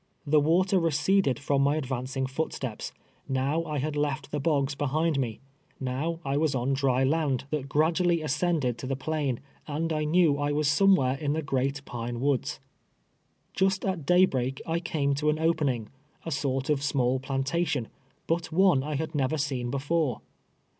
The water receded from my advancing footsteps — now I had left the bogs behind me — now I was on dryland THE SLAVE AND HIS MASTEK. 143 that crraduallv ascended to the phiiii, and I knew I was somewhere in the " Great Pine Woods." Just at day break I caiue to an opening — a sort of small plantation — but one I had never seen before.